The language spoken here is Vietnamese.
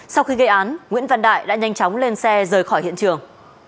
sau khi gây án nguyễn văn đại đã nhanh chóng lên xe rời khỏi hiện trường